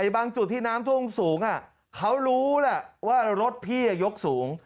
บางจุดที่น้ำท่วมสูงเขารู้แหละว่ารถพี่ยกสูง